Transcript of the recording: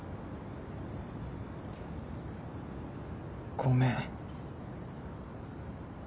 ごめん。